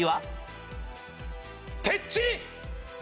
てっちり！